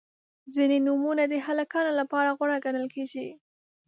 • ځینې نومونه د هلکانو لپاره غوره ګڼل کیږي.